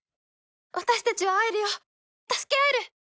私たちは会えるよ助け合える！